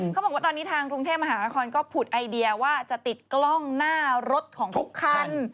เขาบอกว่าตอนนี้ทางกรุงเทพมหานครก็ผุดไอเดียว่าจะติดกล้องหน้ารถของทุกคัน